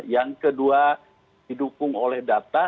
yang kedua didukung oleh data